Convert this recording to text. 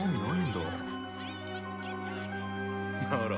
なら